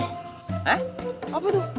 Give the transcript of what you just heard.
hah apa tuh